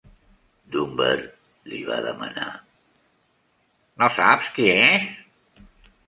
Dunbar li va demanar, No saps qui és?